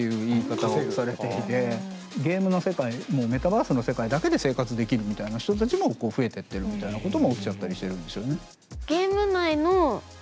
ゲームの世界メタバースの世界だけで生活できるみたいな人たちも増えてってるみたいなことも起きちゃったりしてるんですよね。